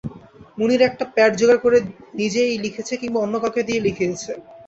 মুনির একটা প্যাড জোগাড় করে নিজেই লিখেছে কিংবা অন্য কাউকে দিয়ে লিখিয়েছে।